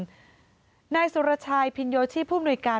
หลวงวิทยาคมนายสุรชัยพิญโยชิผู้มนุยการ